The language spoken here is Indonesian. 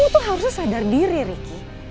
kamu tuh harusnya sadar diri riki